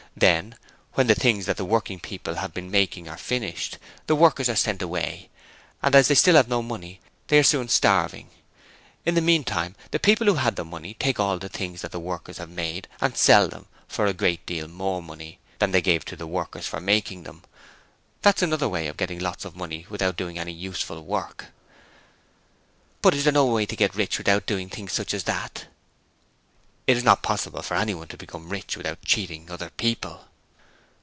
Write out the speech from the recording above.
Then, when the things that the working people have been making are finished, the workers are sent away, and as they still have no money, they are soon starving. In the meantime the people who had the money take all the things that the workers have made and sell them for a great deal more money than they gave to the workers for making them. That's another way of getting lots of money without doing any useful work.' 'But is there no way to get rich without doing such things as that?' 'It's not possible for anyone to become rich without cheating other people.'